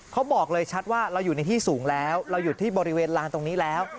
เขาบอกเลยชัดว่าเราอยู่ในที่สูงแล้วเราอยู่ที่บริเวณลานตรงนี้แล้ว